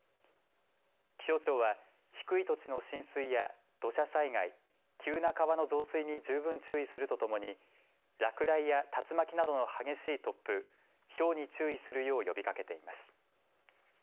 気象庁は低い土地の浸水や土砂災害急な川の増水に十分注意するとともに落雷や竜巻などの激しい突風ひょうに注意するよう呼びかけています。